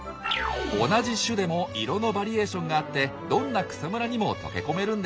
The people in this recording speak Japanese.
同じ種でも色のバリエーションがあってどんな草むらにも溶け込めるんです。